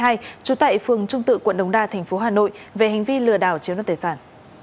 trú tại phường trung tự quận đồng đa thành phố hà nội về hành vi lừa đảo chiếu đất tài sản